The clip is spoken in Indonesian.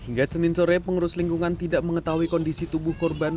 hingga senin sore pengurus lingkungan tidak mengetahui kondisi tubuh korban